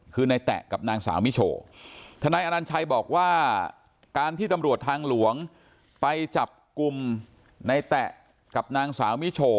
คือในแตะกับนางสาวมิโชธนายอนัญชัยบอกว่าการที่ตำรวจทางหลวงไปจับกลุ่มในแตะกับนางสาวมิโช